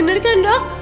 benar kan dok